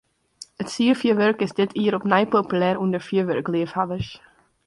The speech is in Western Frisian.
It sierfjurwurk is dit jier opnij populêr ûnder fjurwurkleafhawwers.